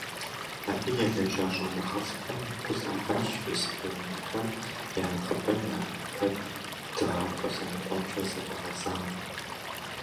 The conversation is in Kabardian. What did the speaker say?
Абы елэжьа щIэныгъэлIхэм гу лъатащ испы унэхэм я нэхъыбэм я гупэр дыгъапIэ лъэныкъуэмкIэ зэрыгъэзам.